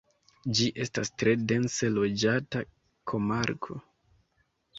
Ĝi estas tre dense loĝata komarko.